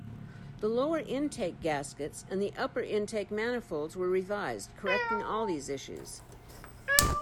The lower intake gaskets and upper intake manifolds were revised, correcting all these issues.